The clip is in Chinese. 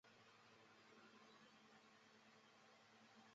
主要路线为行驶在台北市与新竹市间的国道客运。